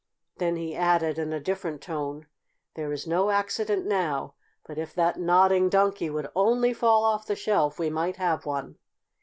Then he added, in a different tone: "There is no accident now, but if that Nodding Donkey would only fall off the shelf we might have one."